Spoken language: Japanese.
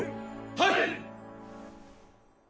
はい！